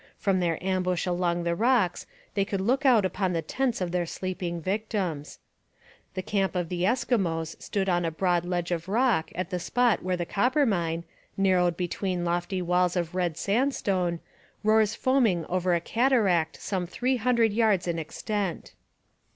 From their ambush among the rocks they could look out upon the tents of their sleeping victims. The camp of the Eskimos stood on a broad ledge of rock at the spot where the Coppermine, narrowed between lofty walls of red sandstone, roars foaming over a cataract some three hundred yards in extent.